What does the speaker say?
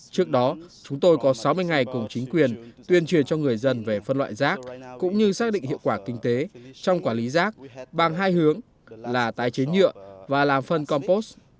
trước đó chúng tôi có sáu mươi ngày cùng chính quyền tuyên truyền cho người dân về phân loại rác cũng như xác định hiệu quả kinh tế trong quản lý rác bằng hai hướng là tái chế nhựa và làm phân compost